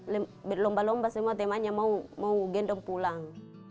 lomba lomba semua temannya mau gendong pulang